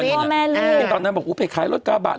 ครอบครัวแม่ลืมครอบครัวตอนนั้นบอกอุ๊ยเผยขายรถกาบัตร